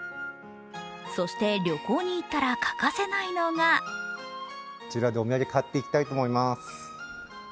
そして旅行に行ったら欠かせないのがこちらでお土産、買っていきたいと思います。